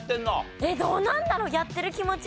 どうなんだろう？